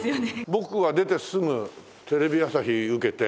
僕は出てすぐテレビ朝日受けて。